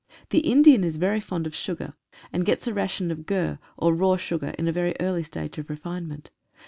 The Indian is very fond of sugar, and gets a ration of ghur, or raw sugar in a very early stage of refinement.